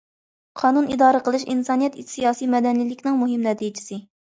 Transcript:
قانۇن ئىدارە قىلىش— ئىنسانىيەت سىياسىي مەدەنىيلىكىنىڭ مۇھىم نەتىجىسى.